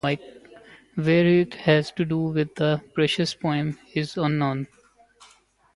Whether it has to do with the precious poem is unknown.